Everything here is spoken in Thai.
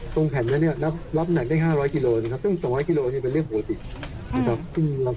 ตรงแผ่นนั้นเนี่ยรับรับหนังได้ห้าร้อยกิโลนะครับตรงสองห้อยกิโลนี่เป็นเรื่องปกตินะครับ